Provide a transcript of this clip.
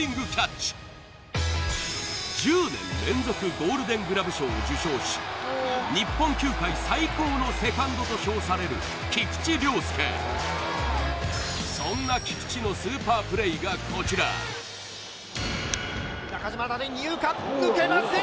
ゴールデン・グラブ賞を受賞し日本球界最高のセカンドと称される菊池涼介そんな菊池のスーパープレーがこちら中島二遊間抜けません